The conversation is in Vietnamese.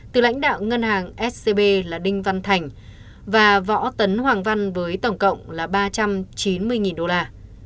từ lãnh đạo ngân hàng scb là đinh văn thành và võ tấn hoàng văn với tổng cộng là ba trăm chín mươi đô la